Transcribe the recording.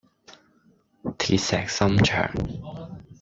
鐵石心腸